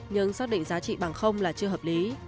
nhưng xác định giá trị bằng là chưa hợp lý